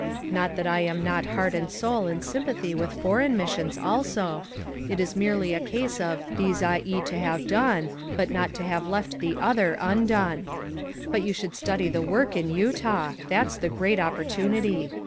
Not that I am not heart and soul in sympathy with foreign mis sions also; it is merely a case of ' These ought ye to have done, and not to have left the other undone.' But you should study the work in Utah; that's the great opportunity.